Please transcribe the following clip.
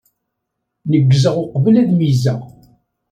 Neggzeɣ uqbel ad meyyzeɣ.